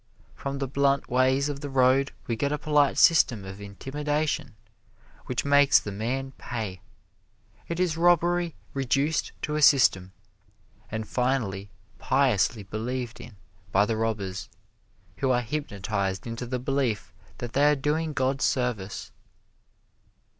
From the blunt ways of the road we get a polite system of intimidation which makes the man pay. It is robbery reduced to a system, and finally piously believed in by the robbers, who are hypnotized into the belief that they are doing God's service.